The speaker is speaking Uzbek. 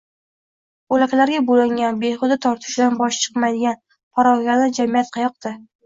bo‘laklarga bo‘lingan, behuda tortishuvdan boshi chiqmaydigan, parokanda «jamiyat» qayoqda?!